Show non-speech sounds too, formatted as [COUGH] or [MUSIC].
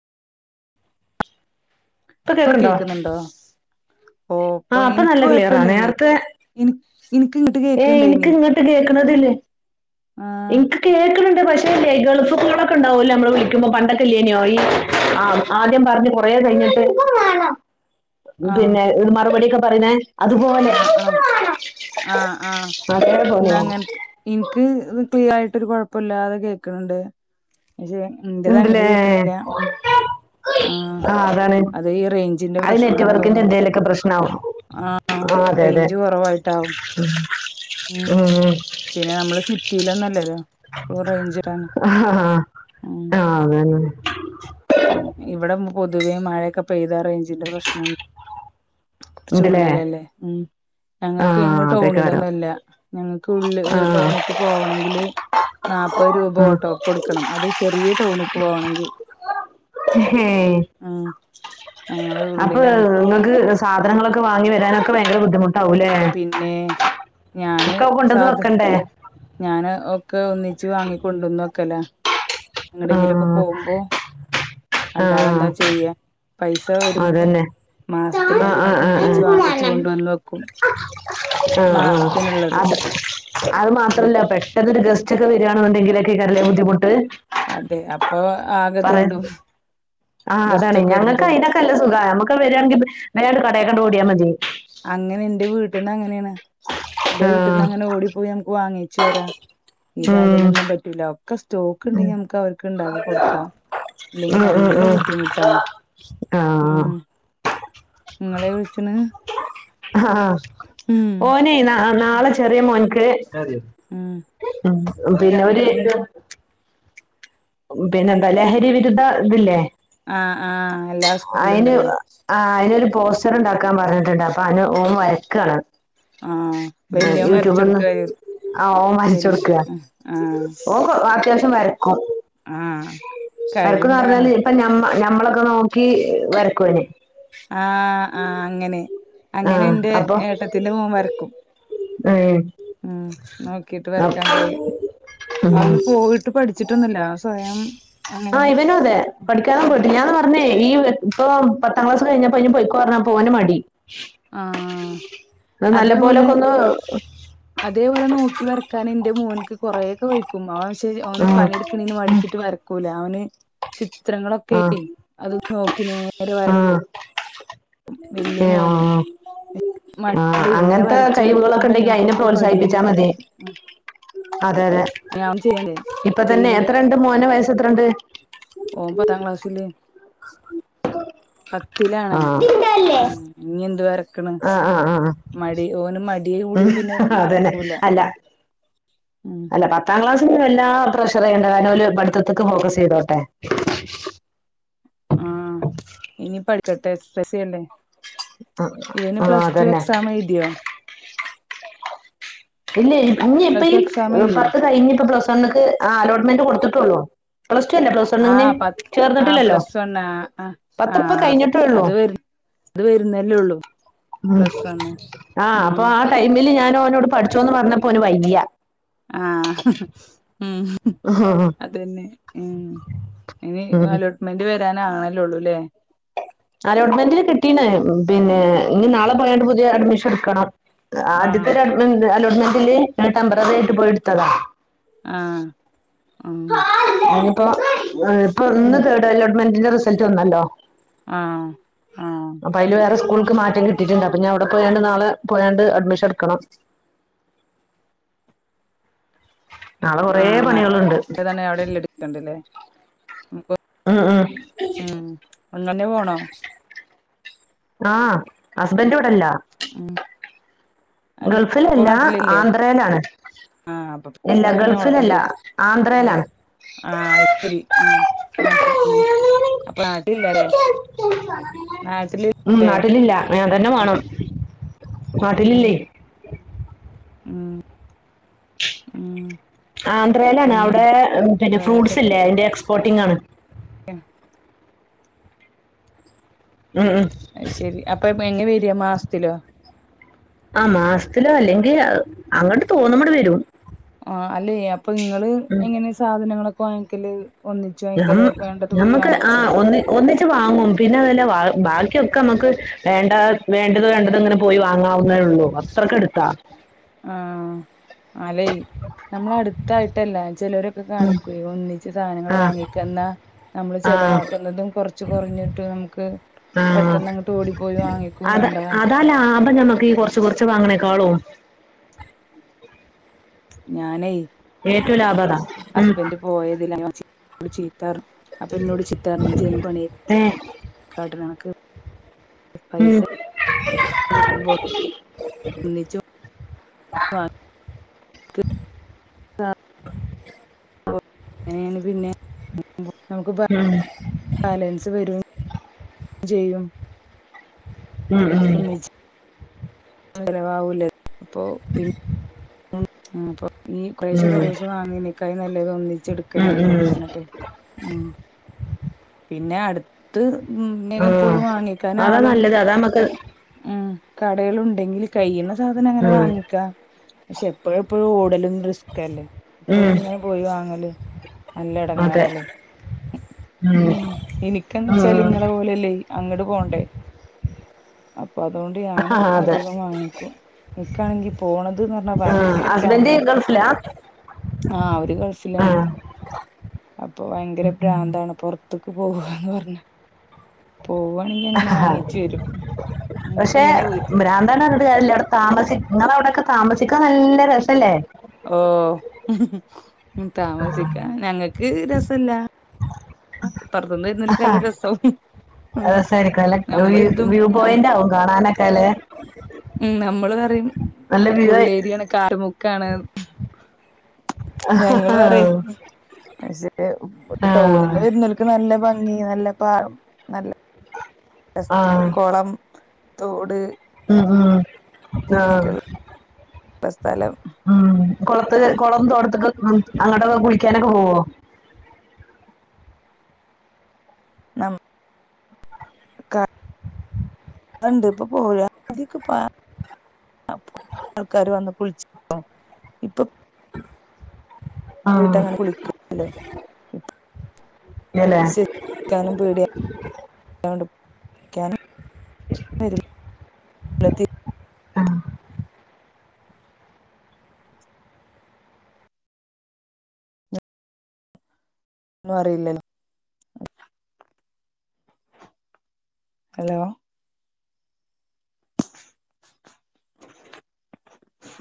ഇപ്പൊ കേക്കുന്നുണ്ടോ ആ ഓപ്പൊ അപ്പൊ എനിക്ക് നല്ല ക്ലിയറാ കൊഴപ്പല്ല ഇനി നേരത്തെ ഇനക്ക് ഇങ്ങിട്ട് ഏ എനിക്ക് കേക്കണ്ടായിനി എനക്ക് കേൾക്കണണ്ട് പക്ഷേ ല്ലേ ഗൾഫ് കോളൊക്കെണ്ടാവൂല്ലേ നമ്മള് വിളിക്കുമ്പോ പണ്ടക്കല്ലെനോ ആഹ് ആദ്യം പറഞ്ഞ് കൊറേ കഴിഞ്ഞ ആഹ് പിന്നെ ഒരു മറുപടിൊക്കെ പറയുന്നെ ആഹ് ആഹ് ആഹ് ആഹ് അതേപോലെ ന്നാ അങ്ങനെ ഇൻക് ഫുൾ ആയിട്ടൊരു കൊഴപ്പില്ലാതെ കേക്കണണ്ട് പക്ഷേ എന്റെത് അങ്ങട് ഉണ്ടല്ലേ കേക്കണില്ല മ് ആഹ് ആ അതാണ് അതെ ഈ റേഞ്ചിന്റെ അത് പ്രശ്നണോ നെറ്റ്വർക്കിന്റെ തോന്നുന്നു എന്തേലൊക്കെ പ്രശ്നാവും ആഹ് ആ അതെ അതെ റേഞ്ച് കുറവായിട്ടാവും ഉം പിന്നെ നമ്മള് സിറ്റിയിലോന്നല്ലല്ലോ ആഹ് ഉം ആതന്നെ പിന്നെ ഇവിടെ പൊതുവേ മഴയൊക്കെ പെയ്താ റേഞ്ചിന്റെ പ്രശ്നമുണ്ട് ഉണ്ടല്ലേ കുറച്ചുള്ളിലല്ലേ ഉം ആ ഞങ്ങൾക്ക് ഞങ്ങൾ അതേക്കാരം ടൗണിലൊന്നുല്ല ഞങ്ങക്ക് ഉള്ളില് ആഹ് ടൗണിലക്ക് പോകണമെങ്കില് നാല്പ്പത് രൂപ ആഹ് ഓട്ടോക്ക്‌ കൊടുക്കണം അത് ചെറിയ ടൗണക്ക് പോകണെങ്കിൽ ഏഹ് ഞങ്ങള് അപ്പൊ ഉള്ളിലാ ഇങ്ങക്ക് സാധങ്ങളൊക്കെ വാങ്ങി വരാനൊക്ക ഭയങ്കര ബുദ്ധിമു- പിന്നെ ഞാന് ഒക്കെ കൊണ്ടന്ന് സാധ- വെക്കണ്ടേ ഞാന് ഒക്കെ ഒന്നിച്ച് വാങ്ങിിക്കൊണ്ടുവന്നൊക്കല്ല നിങ്ങടെങ്കിലൊക്കെ ആഹ് പോകുമ്പോ ആഹ് അല്ലാതെന്താ ചെയ്യ പൈസ വരുമ്പോ അതന്നെ മാസത്തി ആഹ് ഒന്ന് ഒന്നിച്ച് വാങ്ങിച്ച കൊണ്ട വന്ന് വെക്കും ആ ഒരു മാസത്തിനുള്ളത് ആ അത് അത് ഉം മാത്രല്ല പെട്ടെന്ന്ൊരു ഗസ്റ്റ്ൊക്കെ വരി െങ്കിലൊക്കെ കേറല്ല ബദ്ധിമുട്ട് അതെ അപ്പൊ ആകത്തുണ്ടും ആഹ് അതാണ് ഞങ്ങക്ക് അതിനൊക്കെല്ല സഖം നമുക്ക് വരുണെങ്കിൽ വേണ്ട് കടൊക്കെ ഓടിയാൽ മതിേ അങ്ങനെ എന്റെ വീട്ടിൽ നിന്ന് അങ്ങനെയാണ് എന്റെ ആഹ് വീട്ടിൽന്ന് അങ്ങനെ ഓടിപ്പോയി നമുക്ക് വാങ്ങ വരാ ഇത ഉം അതിനൊന്നും പറ്റൂല ക്കെ സ്റ്റോക്ക് ഉണ്ടെങ്കി നമുക്ക് അവർക്ക് ഉണ്ടാക്കി കൊടുക്കാം അല്ലെങ്കി നല്ല ബുദ്ധിമുട്ടാണ് ആഹ ഉം നിങ്ങളെ വിളിച്ചണ് ആ ഉം ഓനെയ് നാളെ ചെറിയ മോൻക്ക് ഉം [UNINTELLIGIBLE] പിന്നെ ഒര് പിന്നെ ന്താ ലഹരി വിരുദ്ധ ഇതില്ലേ ആഹ് ആഹ് എല്ലാ സ്കൂളിലും അയിന് ഉണ്ടല്ലോ ആ അയ്ന് പോസ്റ്ററ് ഇണ്ടാക്കാൻ പറഞ്ഞിട്ടുണ്ട് അപ്പൊ അനു ഓൻ വരക്കാണ് ആഹ് ആ വല്യോൻ വരച്ച യൂട്യൂബ്ന്ന് കൊടുക്ക ആ ഓ വല്യ വരച്ചൊട്ക്കാ ആഹ് ഓൻ വ അത്യാവശ്യം വരക്കും ആഹ് കഴിവുണ്ടാണ് വരക്കുംന്നർഞ്ഞാല് ഇപ്പ ഞമ്മ ഞമ്മളൊക്കെ നോക്കി വരക്കും ഓന് ആ ആ അങ്ങനെ അങ്ങനെ ആഹ് എന്റെ അപ്പൊ ഏട്ടത്തിന്റെ മോൻ വരക്കും. ഉം ഉം നോക്കിട്ട് വരക്കാൻ കഴിയും. ഉം അവന് പോയിട്ട് പഠിച്ചിട്ടൊന്നുല്ല സ്വയം അങ്ങനെ ആഹ് ഇവനും അതെ വര പഠിക്കാനും പോയിട്ട് ഞാൻ പറഞ്ഞേ ഈ ഇപ്പൊ പത്താം ക്ലാസ് കഴിഞ്ഞപ്പ അയ്ന് പോയിക്കൊ പറഞ്ഞപ്പൊ ഓന് മടി. ആഹ് ന്നാ അതേപോലെ നല്ലമ്പോലൊക്കൊന്ന് അതേപോലെ നോക്കി വരക്കാൻ ഇന്റെ മോൻക്ക് കൊറേക്കെ വെയ്ക്കും അവൻ സ് ശരി ഓന് ആഹ് പണിയെടുക്കണീന്ന് മടിച്ചിട്ട് വരക്കൂല ഓന് ചിത്രങ്ങളൊക്കെ ആഹ് അത് നോക്കി നേരെ വരക്കും. വല്യ ഏ ആ മോന് ആ ആ മടിണ്ട് ഇങ്ങനെ അങ്ങൻത്തെ വരച്ച് കഴിവുകളൊക്കെ വരക്കുമ്പോഴല്ലേ ഉണ്ടെങ്കി അയിനെ നമുക്കൊക്കെ പ്രോത്സാഹിപ്പിച്ചാ പടിയല് മതി. അതെ അതെ ഞാൻ ചെയ്യണ്ടേ ഇപ്പ തന്നെ എത്രണ്ട് മോന വയസ്സ് എത്രണ്ട്. ഓം പത്താംക്ലാസ്സില് [INAUDIBLE] പത്തിലാണ് ആഹ് ഉം ഇനി എന്തു വരക്ക്ണ് ആഹ് ആഹ് ആഹ് മടി ഓന് മടിയെ ഉം കൂടിയ പിന്നെ അതന്നെ മരക്കൂല അല്ല അല്ല പത്താം ക്ലാസ് എല്ലാ പ്രഷറയ്യണ്ട കാരണം ഓല് പഠിത്തത്ത്ക്ക് ഫോക്കസ് ചെയ്തോട്ടെ ആ ഇനി പഠിക്കട്ടെ എസ് എസ് എൽ സി അല്ലെ ഇവന് ആഹ് പ്ലസ് ടു അതന്നെ എക്സാം എഴുതിയോ ഇല്ല ഇനി ഇഞ്ഞി ഇപ്പ പ്ലസ് ടു ഈ എക്സാം എഴുതിയോ പത്ത് കഴിഞ്ഞ ഇപ്പ പ്ലസ് വണ്ണ്ക്ക് ആ അലോട്ട്മെന്റ് കൊടുത്ത്ട്ടുള്ളൂ ആഹ് പത്ത് ആഹ് പ്ലസ് വണ്ണ് പത്തിപ്പ ആഹ് കഴിഞ്ഞിട്ടേ ഉള്ളൂ അത് വര അത് വരുന്നല്ലേള്ളൂ ഉം ആഹ് അപ്പൊ ആ ടൈമില് ഞാനോനോട് പഠിച്ചോന്ന് പറഞ്ഞപ്പോ ഓന് വയ്യ. ആ ഉം അതന്നെ ഉം ഇനി അലോട്ട്മെന്റ് വരാനാണല്ലോള്ളൂല്ലേ അലോട്ട്മെന്റിന് കിട്ടീണ് പിന്നെ ഉം ഇന്ന് നാളെ പോയണ്ട് പുതിയ അഡ്മിഷൻ ഇട്ക്കണം. ആ ആദ്യത്തെ അലോട്ട്മെന്റില് ടെംമ്പററി ആയിട്ട് പോയി ഇട് ത്തതാ ആ അപ്പോ ഇപ്പൊ ഉം ഇന്ന് തേർഡ് അലോട്ട്മെന്റിന്റെ റിസൾട്ട് വന്നല്ലോ. ആ ആ ക്ക് മാറ്റം കിട്ടിട്ടുണ്ട് അപ്പൊഞ്ഞി അവിടെ പോയാണ്ട് നാളെ പോയാണ്ട് അഡ്മിഷൻ ഇട്ക്കണം. നാളെ ആ കൊറേ പണികളുണ്ട് നല്ല തന്നെ എവിടെല്ലും എടുക്കണ്ടിയാലെ ഉം പോ ഉം ഉം അന്നെന്നെ പോണോ ആ ഹസ്ബന്റ് വടല്ല. ഉം അല്ല ഇപ്പൊ ഗൾഫിലല്ല നാട്ടിലില്ലേ ആന്ധ്രയ്ലാണ് ആ അപ്പൊ എല്ല നിങ്ങളന്നെ ഗൾഫിലല്ല ആന്ധ്രെലാണ് ആ അത്ശരി ആ നാട്ടില് ഉം അപ്പൊ നാട്ടിലില്ലല്ലേ നാട്ടില്ല്ലെ ഉം നാട്ടിലില്ല ഞാൻ തന്നെ പോണം പിന്നെ ഉ ഉ ആന്ധ്രയിലാണ് അവിടെ പിന്നെ ഫ്രൂട്ട്സ് ഇല്ലേ അതിന്റെ എക്സ്പോർട്ടിംഗ ആണ് ഉം ഉം ഉം അ ശെരി അപ്പൊ എങ്ങെ വരിയാ മാസത്തിലോ ആ മാസത്തിലോ അല്ലെങ്കിൽ അങ്ങോട്ട് തോന്ന്പടെ വരും ആ അല്ലേ അപ്പൊ നിങ്ങള് എങ്ങനെ സാധനങ്ങളൊക്കെ വാങ്ങിക്കല് ഒന്നിച്ച് വാങ്ങിക്കോ അതോ വേണ്ടത് പോയി ഞമ്മുക്ക് ആ വാങ്ങിച്ചേ ഒന്ന ഒന്നിച്ച് വാങ്ങും പിന്നെ അല്ല ബാക്കി ഒക്കെ നമ്മുക്ക് വേണ്ട വേണ്ടത് വേണ്ടത് ഇങ്ങനെ പോയി വാങ്ങാവുന്നേ ഉള്ളൂ അത്രൊക്കെ എടുത്താ ആഹ അല നമ്മള അടുത്തായിട്ടല്ല ചിലരൊക്കെ കാണിക്കൂ ഒന്നിച്ച് സാധനങ്ങൾ ആ വാങ്ങിക്കന്ന നമ്മള് ആ ചെിലവാക്കുന്നതും കൊറച്ച് കുറഞ്ഞിട്ട് നമുക്ക് ആഹ പെട്ടെന്ന് അങ്ങട്ട് ഓടിപ്പോയി വാങ്ങിക്കും അത വേണ്ട അതല്ല ആപ്പം നമ്മക്ക് കുറച്ച് കുറച്ച് വാങ്ങണേക്കളോ ഞാനേ ഏറ്റവും ലാഭകം ഹസ്ബൻഡറ് പോയതില്ല ഞ ചീത്താ അപ്പൊ എന്നോട് ചിറ്ററിഞ്ഞ ചന്ന് പണിയ ഏ കാട്ടിനക്ക് ഉം കിട്ടുമ്പോ ഒന്നിച്ച് വാങ്ങിക്കോ പിന്നെ നമുക്ക് ബാലൻസ് വര ചെയ്യും ഉം ഉം അലവവൂലേ അപ്പൊ പി ഉ അപ്പൊ ഈ പ്രേശം ഉം കൊറെേശം വാങ്ങനക്കായി നല്ലത് ഒന്നിച്ച എടുക്കല ഉം ഉം നല്ലത് ഉം കഞ്ഞിട്ട് ഉം പിന്നെ അടുത്ത് ആ ഉന്നേകം പോയി വാങ്ങിക്കാന അതാ ആളും നല്ലത് അതാ നമുക്ക് ഉം കടകൾ ഉണ്ടെങ്കിൽ കഴ്യുന്ന സാധനം അങ്ങനെ ഉം വാങ്ങിക്കാം പക്ഷെ എപ്പോഴ എപ്പോഴും ഓടലും റിസ്ക്ല്ലേ ഇപ്പോഴും ഉം ഇങ്ങനെ പോയി വാങ്ങല് നല്ല അതെ ഇടങ്ങാറല്ലേ ഉം എനിക്കന്ന് വെച്ചാല് ഉം ഇങ്ങളെ പോലെല്ലേ അങ്ങോട്ട് പോണ്ടേ അപ്പൊ അതുകൊണ്ട് ആ ഞാന് അതെ അധികം വാങ്ങിക്കും എിക്കാണെങ്കി പോണത് ആഹ ഹസ്ബെന്ദി ഗൾഫ്ലാ ആ ഒരു ഗൾഫില അപ്പൊ ഭയങ്കര ബ്രാന്താണ് പൊറ അത്തക്ക് പോവന്ന് പറഞ്ഞ പോവാണെങ്കി അങ്ങനെ ആ വാങ്ങിച്ചു വരും ഉം പക്ഷെ ഇങ്ങനെ വീട്ടില് ഭ്രാന്തൻട്ട് കാര്യവിട താമസ നിങ്ങള അവിടെൊക്കെ താമസിക്കാൻ നല്ല രസല്ലേ ഓ ഉ താമസിക്ക ആഹ് ഞങ്ങൾക്ക് രസില്ല ആ പറത്തുന്നരുന്ന നല്ല രസവും രസായിരിക്കും അല്ല നമ്മ വ്യൂ ഇതും വ്യൂ നമ്മ പോയിന്റ് ആവും കാണാനൊക്കെ അല്ലേ ഉ നമ്മള് പറയും നല്ല വ്യൂ ആയി ഉള്ളേരിയാണ് കാാരമുക്കാണ് ആഹ് ഞങ്ങള് പറ പക്ഷേ ആഹ് ടൗണിൽന്ന് വരുന്നക്ക് നല്ല ഭംഗ നല്ല പ നല്ല കുളം തോട് ഉ ഉ ആ ഇ സ്ഥലം ഉം കുളത്ത് കുളം തോടത്തൊക്കെ അങ്ങോട്ടൊക്കെ കുളിക്കാനൊക്കെ പോവോ നമ്മ ണ്ട് ഇപ്പൊ പോരാ മതിക്ക പ ആൾക്കാര് വന്ന് കുളിച്ചോ ഇപ്പൊ ആഹ് പോയിട്ടങ്ങനെ വിളിക്കലിലല്ലോ. ഇല്ലല്ലേ വിശ്വസിക്കാനും പേടിയിയാ. [INAUDIBLE] [UNINTELLIGIBLE] ആഹ. ഒന്നും അറിയില്ലല്ലോ. ഹലോ.